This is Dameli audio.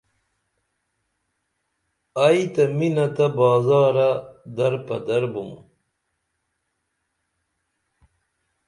ائی تہ مینہ تہ بازارہ در پدر بُم